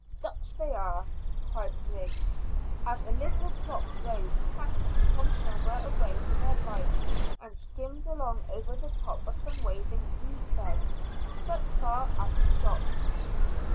"Ducks they are," cried Griggs, as a little flock rose cackling from somewhere away to their right and skimmed along over the top of some waving reed beds, but far out of shot.